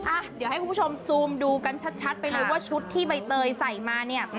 อ่ะเดี๋ยวให้คุณผู้ชมซูมดูกันชัดไปเลยว่าชุดที่ใบเตยใส่มาเนี่ย